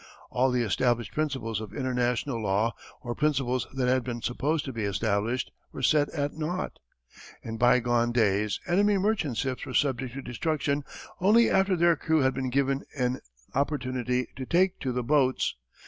All the established principles of international law, or principles that had been supposed to be established, were set at naught. In bygone days enemy merchant ships were subject to destruction only after their crews had been given an opportunity to take to the boats.